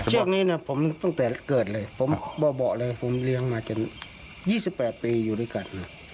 ช่วงนี้นะผมตั้งแต่เกิดเลยผมเบาะเลยผมเลี้ยงมาจน๒๘ปีอยู่ด้วยกัน